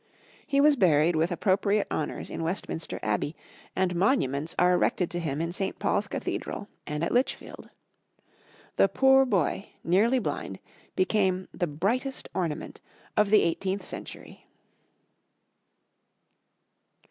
He was buried with appropriate honors in Westminster Abbey, and monuments are erected to him in St. Paul's Cathedral, and at Lichfield. The poor boy, nearly blind, became "the brightest ornament of the eighteenth century."